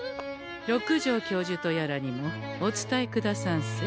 六条教授とやらにもお伝えくださんせ。